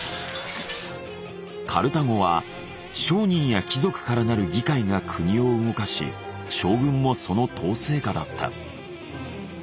カルタゴは商人や貴族からなる議会が国を動かし将軍もその統制下だった。